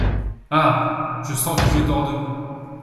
Ah ! je sens que je dors debout !